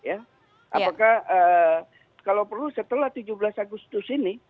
apakah kalau perlu setelah tujuh belas agustus ini